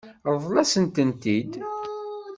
Ṛḍel-asen-tent-id.